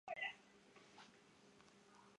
有一些做法也加入榛仁或干果。